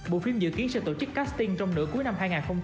bộ phim dự kiến sẽ tổ chức casting trong nửa cuối năm hai nghìn một mươi chín